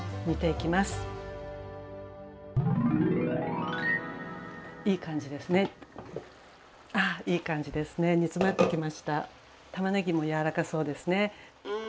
たまねぎもやわらかそうですね。